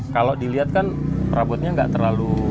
kalau dilihat kan perabotnya nggak terlalu